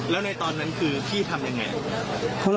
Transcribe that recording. แล้วในตอนนั้นคือพี่ทำยังไง